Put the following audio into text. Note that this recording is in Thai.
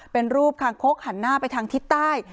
เป็นรูปคางคกหันหน้าไปทางทิศใต้